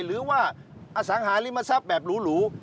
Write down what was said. หรือว่าอสังหาริมทรัพย์แบบหรู